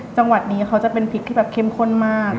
จังหวัดนี้เขาจะเป็นพริกที่แบบเข้มข้นมาก